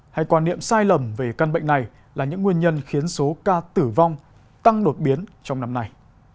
hay quan niệm sai lầm về căn bệnh này là những nguyên nhân khiến số ca tử vong tăng đột biến trong năm nay